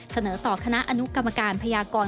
เสนอต่อคณะอนุกรรมการพยากร